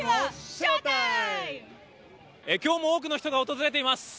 今日も多くの人が訪れています。